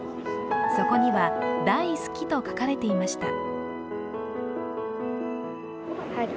そこには「だいすき」と書かれていました。